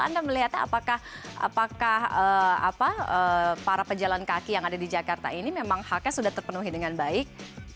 anda melihatnya apakah para pejalan kaki yang ada di jakarta ini memang haknya sudah terpenuhi dengan baik